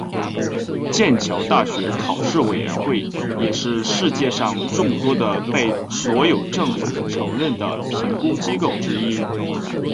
剑桥大学考试委员会也是世界上众多的被所有政府承认的评估机构之一。